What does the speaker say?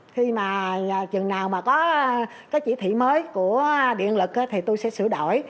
khi mà chừng nào mà có cái chỉ thị mới của điện lực thì tôi sẽ sửa đổi